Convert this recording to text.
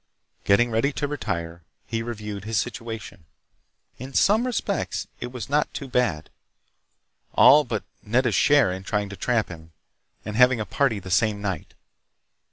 Getting ready to retire, he reviewed his situation. In some respects it was not too bad. All but Nedda's share in trying to trap him, and having a party the same night....